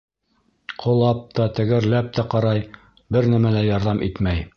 Ҡолап та, тәгәрләп тә ҡарай, бер нәмә лә ярҙам итмәй.